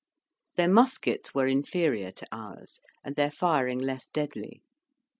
Their muskets were inferior to ours, and their firing less deadly.